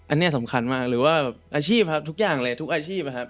อันนี้สำคัญมากหรือว่าอาชีพครับทุกอย่างเลยทุกอาชีพนะครับ